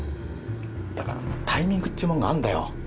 だからタイミングっちゅーもんがあんだよ。